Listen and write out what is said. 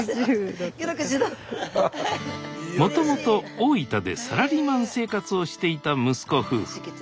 もともと大分でサラリーマン生活をしていた息子夫婦。